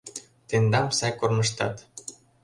Тендам сай кормыжтат.